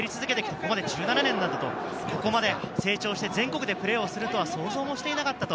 ここまで１７年、成長して全国でプレーするとは想像していなかったと。